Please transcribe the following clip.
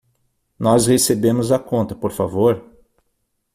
Nós recebemos a conta, por favor?